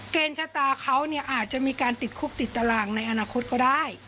ชะตาเขาเนี่ยอาจจะมีการติดคุกติดตารางในอนาคตก็ได้